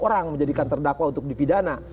orang menjadikan terdakwa untuk dipidana